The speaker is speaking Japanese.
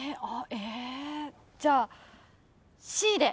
えじゃあ。